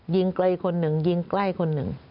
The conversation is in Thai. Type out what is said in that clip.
ยิงไกลคนหนึ่งยิงใกล้คนหนึ่ง